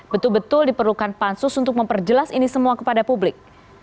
betul betul diperlukan pansus untuk memperjelas ini semua kepada publik